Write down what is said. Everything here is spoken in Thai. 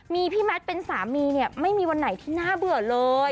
มีพี่แมทเป็นสามีเนี่ยไม่มีวันไหนที่น่าเบื่อเลย